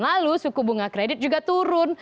lalu suku bunga kredit juga turun